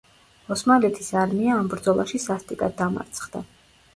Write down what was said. ოსმალეთის არმია ამ ბრძოლაში სასტიკად დამარცხდა.